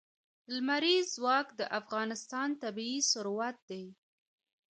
لمریز ځواک د افغانستان طبعي ثروت دی.